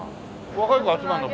若い子集まるの？